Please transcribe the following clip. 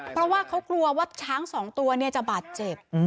เพราะว่าเขากลัวว่าช้างสองตัวจะบาดเจ็บ